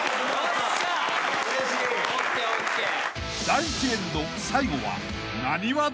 ［第１エンド最後は］